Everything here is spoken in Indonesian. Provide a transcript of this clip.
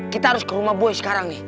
kita harus ke rumah boy sekarang nih